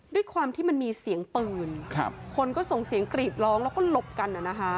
ด้วยความที่มันมีเสียงปืนคนก็ส่งเสียงกรีดร้องแล้วก็หลบกัน